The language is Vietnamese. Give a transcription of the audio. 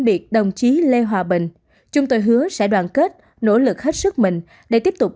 biệt đồng chí lê hòa bình chúng tôi hứa sẽ đoàn kết nỗ lực hết sức mình để tiếp tục